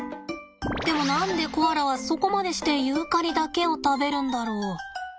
でも何でコアラはそこまでしてユーカリだけを食べるんだろ？